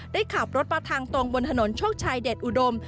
ได้ขับรถมาทางตรงบนถนนโชคชัยเดชอุดม